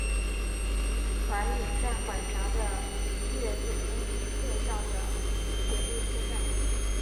船引站管辖的磐越东线上的铁路车站。